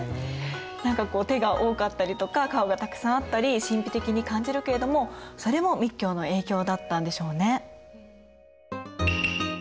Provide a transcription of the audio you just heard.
何かこう手が多かったりとか顔がたくさんあったり神秘的に感じるけれどもそれも密教の影響だったんでしょうね。